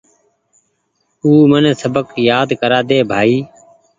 آو من سبق يآد ڪرآ ۮي بآئي